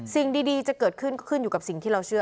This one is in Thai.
สิ่งดีจะเกิดขึ้นก็ขึ้นอยู่กับสิ่งที่เราเชื่อ